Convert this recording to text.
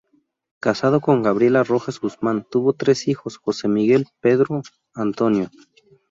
Casado con Gabriela Rojas Guzmán, tuvo tres hijos: Jose Miguel, Pedro Antonio.